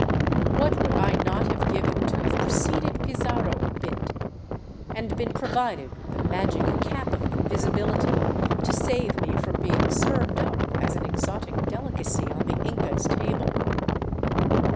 What would I not have given to have preceded Pizarro a bit — and been provided with the magic cap of invisibility to save me from being served up as an exotic delicacy on the Inca's table.